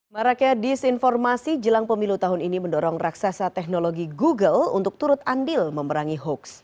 marakya disinformasi jelang pemilu tahun ini mendorong raksasa teknologi google untuk turut andil memerangi hoax